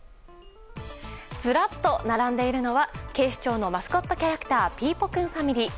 ずらっと並んでいるのは警視庁のマスコットキャラクターピーポくんファミリー。